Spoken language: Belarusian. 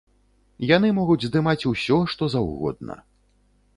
Яны могуць здымаць усё, што заўгодна.